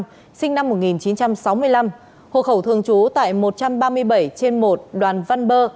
nguyễn mạnh lăng sinh năm một nghìn chín trăm sáu mươi năm hộ khẩu thường trú tại một trăm ba mươi bảy trên một đoàn văn bơ